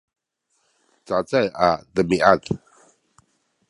cacay a demiad